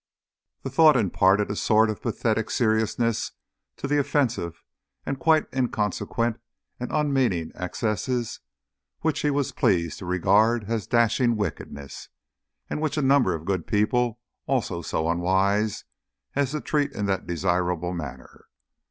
The thought imparted a sort of pathetic seriousness to the offensive and quite inconsequent and unmeaning excesses, which he was pleased to regard as dashing wickedness, and which a number of good people also were so unwise as to treat in that desirable manner.